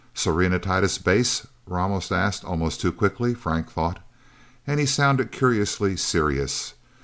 "Serenitatis Base?" Ramos asked almost too quickly, Frank thought. And he sounded curiously serious.